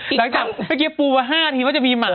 อีกครั้งเมื่อกี้ปูว่า๕นิดว่าจะมีหมา